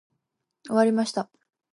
終わりました。